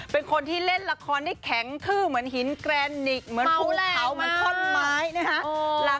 เป็นคนที่เล่นละครได้แข็งทื่อเหมือนหินแกรนิกเหมือนภูเขาเหมือนท่อนไม้นะฮะ